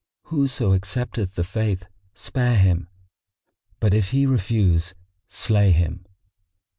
Whoso accepteth the Faith spare him; but if he refuse, slay him."